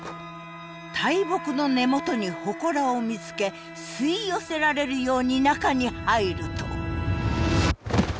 大木の根元に祠を見つけ吸い寄せられるように中に入ると。